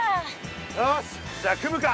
よしじゃあ組むか。